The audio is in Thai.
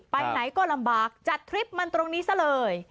ไปไหนก็ลำบากจัดทริปมันตรงนี้ซะเลย